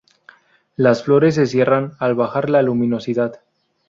Las flores se cierran al bajar la luminosidad.